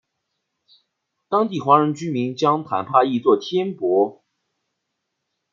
当地华人居民将坦帕译作天柏。